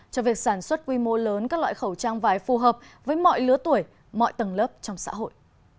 cho việc sản xuất quy mô lớn các loại khẩu trang vải phù hợp với mọi lứa tuổi mọi tầng lớp trong xã hội